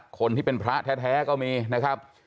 คนที่เป็นพระแท้ก็มีนะครับ